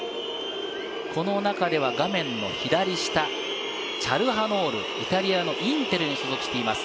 この中では画面の左下、チャルハノール、イタリアのインテルに所属しています。